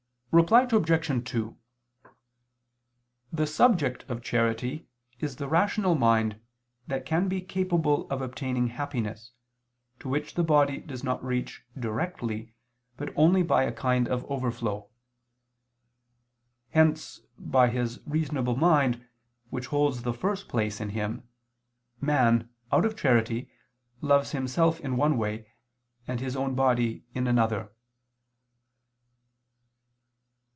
Reply Obj. 2: The subject of charity is the rational mind that can be capable of obtaining happiness, to which the body does not reach directly, but only by a kind of overflow. Hence, by his reasonable mind which holds the first place in him, man, out of charity, loves himself in one way, and his own body in another.